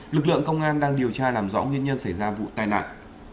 lực lượng công an đang điều tra làm rõ nguyên nhân xảy ra vụ tai nạn